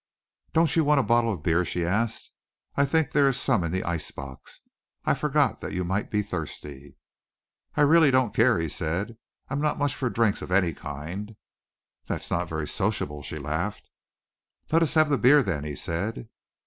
"Don't you want a bottle of beer?" she asked. "I think there is some in the ice box. I forgot that you might be thirsty." "I really don't care," he said. "I'm not much for drinks of any kind." "That's not very sociable," she laughed. "Let's have the beer then," he said.